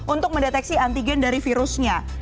untuk mendeteksi antigen dari virusnya